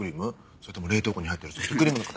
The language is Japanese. それとも冷凍庫に入ってるソフトクリームの形した。